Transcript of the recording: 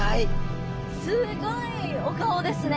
すごいお顔ですね。